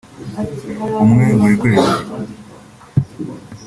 umwe muri buri kwezi